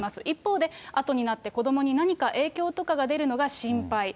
一方で、あとになって、子どもに何か影響とかが出るのが心配。